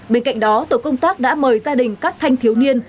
bên cạnh đó tổ công tác đã mời gia đình các thanh thiếu niên